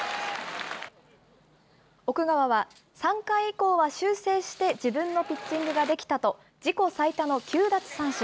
奥川は、３回以降は修正して、自分のピッチングができたと、自己最多の９奪三振。